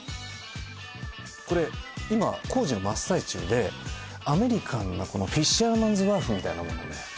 これ今工事の真っ最中でアメリカンなフィッシャーマンズワーフみたいなものをね